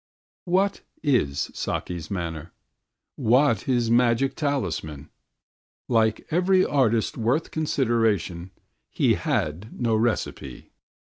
What is Saki's manner, what his magic talisman? Like every artist worth consideration, he had no recipe.